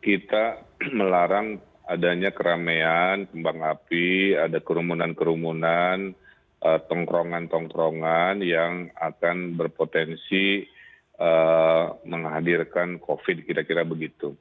kita melarang adanya keramaian kembang api ada kerumunan kerumunan tongkrongan tongkrongan yang akan berpotensi menghadirkan covid kira kira begitu